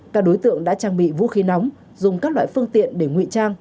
các đối tượng đã trang bị vũ khí nóng dùng các loại phương tiện để ngụy trang